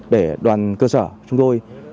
để đoàn cơ sở chúng tôi